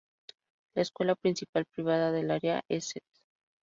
La escuela principal privada del área es St.